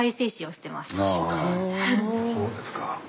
そうですか。